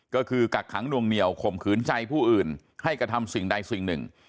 ก็คือกักขังนวงเหนียวข่มขืนใจผู้อื่นให้กระทำสิ่งใดสิ่งหนึ่ง